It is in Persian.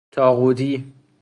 طاغوتی